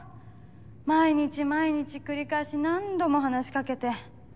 毎日毎日繰り返し何度も話しかけて。